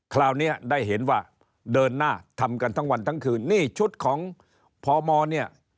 คราวนี้ได้เห็นว่าเดินหน้าทำกันทั้งวันทั้งคืนนี่ชุดของพมเนี่ย